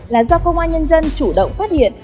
là do công an nhân dân chủ động phát hiện